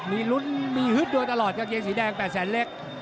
มีรุ้นมีฮึดด้วยตลอดกับเย็นสีแดงแปดแสนเล็ก